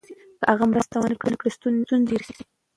که هغه مرسته ونکړي، ستونزه به ډېره شي.